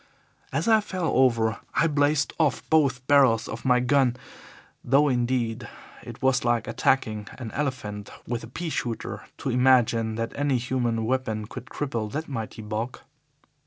"As I fell over I blazed off both barrels of my gun, though, indeed, it was like attacking an elephant with a pea shooter to imagine that any human weapon could cripple that mighty bulk.